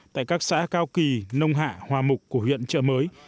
tại các xã cao kỳ nông hạ hòa mục của huyện trợ mới